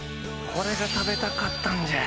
これが食べたかったんじゃ。